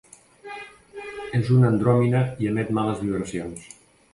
És una andròmina i emet males vibracions.